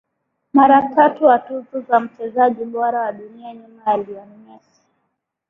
Mara tatu wa tuzo za mchezaji bora wa dunia nyuma ya Lionel Messi